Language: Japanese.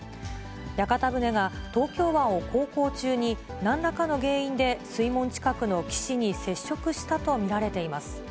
屋形船が東京湾を航行中に、なんらかの原因で水門近くの岸に接触したと見られています。